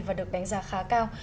và được đánh giá khá cao